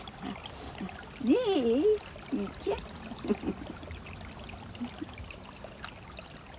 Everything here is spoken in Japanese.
ねえヒーちゃんフフフ。